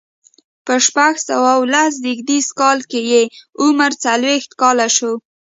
په شپږ سوه لس زيږديز کې یې عمر څلوېښت کاله شو.